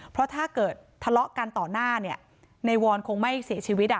เพราะถ้าเกิดทะเลาะกันต่อหน้าเนี่ยในวอนคงไม่เสียชีวิต